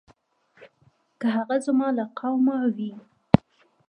که هغه زما له قومه وي.